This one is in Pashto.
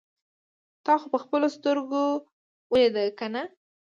تا خو په خپلو سترګو اوليدل کنه.